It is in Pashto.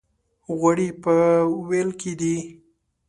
غوړي په وېل کې دي.